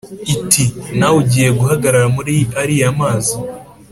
iti: “nawe ugiye guhagarara muri ariya mazi,